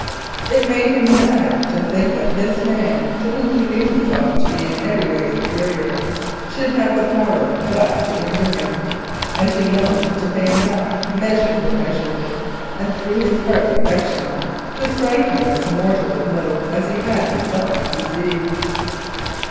It made him mad to think that this man, to whom he knew himself to be in every way superior, should have had the power thus to injure him, and he longed to pay him back measure for measure, and through his heart's affections to strike him as mortal a blow as he had himself received.